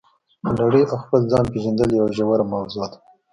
د نړۍ او خپل ځان پېژندل یوه ژوره موضوع ده.